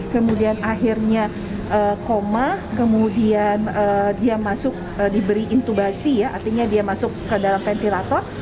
kemudian akhirnya koma kemudian dia masuk diberi intubasi ya artinya dia masuk ke dalam ventilator